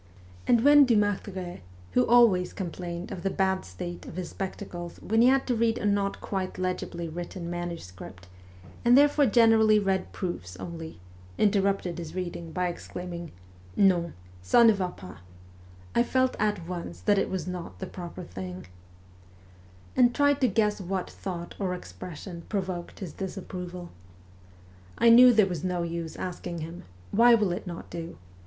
And when Dumartheray, who always complained of the bad state of his spectacles when he had to read a not quite legibly written manuscript, and therefore generally read proofs only, interrupted his reading by exclaiming, ' Non, 9a ne va pas !' I felt at once that it was not the proper 230 MEMOIRS OF A REVOLUTIONIST thing, and tried to guess what thought or expression provoked his disapproval. I knew there was no use asking him, ' Why will it not do